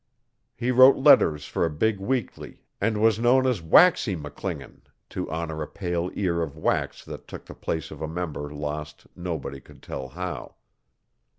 He wrote leaders for a big weekly and was known as Waxy McClingan, to honour a pale ear of wax that took the place of a member lost nobody could tell how.